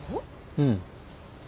うん。